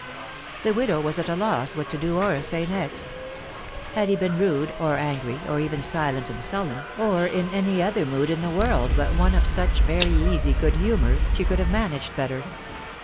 The widow was at a loss what to do or say next . Had he been rude or angry, or even silent and sullen, or in any other mood in the world but one of such very easy good humour, she could have managed better.